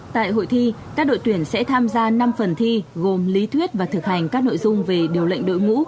tại hội thi các đội tuyển sẽ tham gia năm phần thi gồm lý thuyết và thực hành các nội dung về điều lệnh đội ngũ